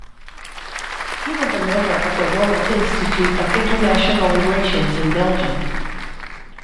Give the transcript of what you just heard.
He was a member of the Royal Institute of International Relations in Belgium.